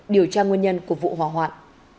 điều tra nguyên nhân của vụ hỏa hoạn